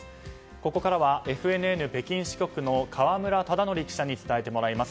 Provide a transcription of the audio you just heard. ここからはＦＮＮ北京支局の河村忠徳記者に伝えてもらいます。